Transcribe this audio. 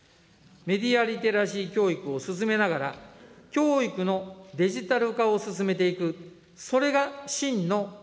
メディアリテラシー教育を進めながら、教育のデジタル化を進めていく、それが真のＧＩＧＡ